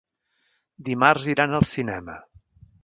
Dimarts iran al cinema.